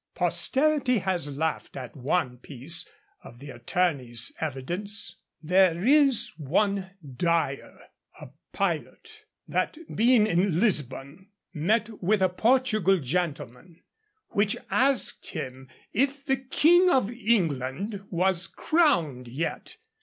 Posterity has laughed at one piece of the Attorney's evidence: There is one Dyer, a pilot, that being in Lisbon met with a Portugal gentleman, which asked him if the King of England was crowned yet.